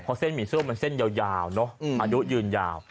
เพราะเส้นหมี่ซั่วมันเส้นยาวเนอะอายุยืนยาว